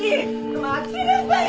待ちなさいよ！